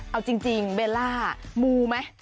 เอาจริงเบลล่ามูไหม